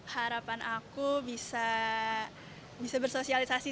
harapan aku bisa bersosialisasi